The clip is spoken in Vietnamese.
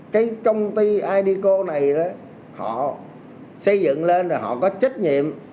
cái công ty idco này đó họ xây dựng lên rồi họ có trách nhiệm